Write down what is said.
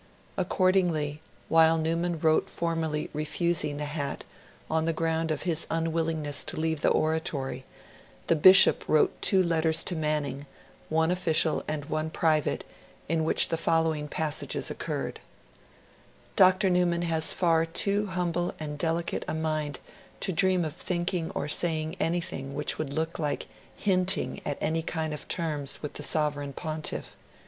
Accordingly, while Newman wrote formally refusing the Hat, on the ground of his unwillingness to leave the Oratory, the Bishop wrote two letters to Manning, one official and one private, in which the following passages occurred: 'Dr. Newman has far too humble and delicate a mind to dream of thinking or saying anything which would look like hinting at any kind of terms with the Sovereign Pontiff....